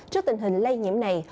trước tình hình lây nhiễm này